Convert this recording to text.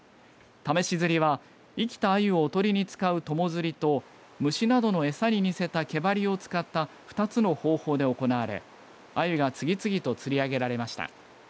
試し釣りは生きたアユをおとりに使う友釣りと、虫などの餌に似せた毛針を使った２つの方法で行われアユが次々と釣り上げられました。